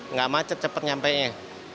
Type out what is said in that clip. nggak macet cepat nyampe ya